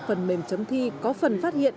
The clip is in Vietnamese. phần mềm chấm thi có phần phát hiện